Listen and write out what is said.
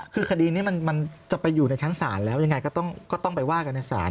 คือคดีนี้มันจะไปอยู่ในชั้นศาลแล้วยังไงก็ต้องไปว่ากันในศาล